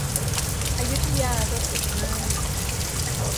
อยุธยารถติดมาก